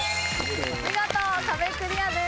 見事壁クリアです。